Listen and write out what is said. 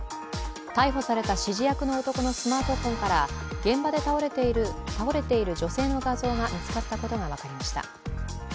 逮捕された指示役の男のスマートフォンから現場で倒れている女性の画像が見つかったことが分かりました。